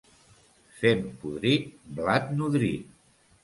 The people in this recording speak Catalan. Fem podrit, blat nodrit.